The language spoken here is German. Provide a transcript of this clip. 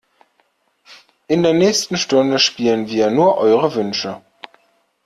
In der nächsten Stunde spielen wir nur eure Wünsche.